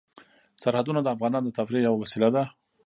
سرحدونه د افغانانو د تفریح یوه وسیله ده.